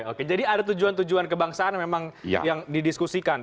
oke jadi ada tujuan tujuan kebangsaan memang yang didiskusikan